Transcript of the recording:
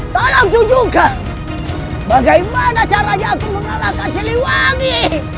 tolong tunjukkan bagaimana caranya aku mengalahkan si wangi